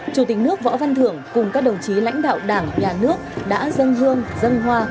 chủ tịch nước võ văn thưởng cùng các đồng chí lãnh đạo đảng nhà nước đã dân hương dân hoa